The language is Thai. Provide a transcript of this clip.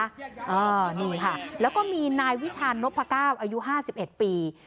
อ่านี่ค่ะแล้วก็มีนายวิชาณนพก้าวอายุห้าสิบเอ็ดปี